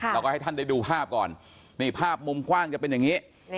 เราก็ให้ท่านได้ดูภาพก่อนนี่ภาพมุมกว้างจะเป็นอย่างนี้